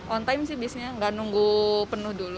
on time sih biasanya nggak nunggu penuh dulu